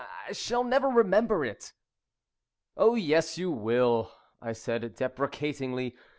I shall never remember it." "Oh yes, you will," I said deprecatingly.